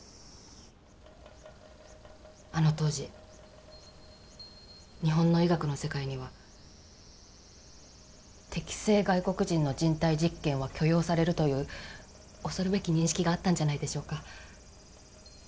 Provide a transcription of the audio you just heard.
あの当時日本の医学の世界には「敵性外国人の人体実験は許容される」という恐るべき認識があったんじゃないでしょうか。